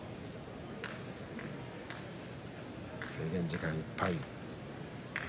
制限時間いっぱいです。